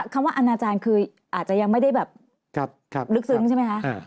คำว่าอนาจารย์คืออาจจะยังไม่ได้แบบลึกซึ้งใช่ไหมคะ